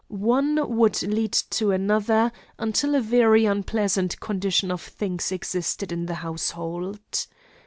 One word led to another, until a very unpleasant condition of things existed in the household.